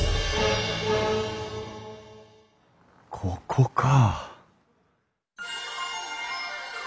ここか。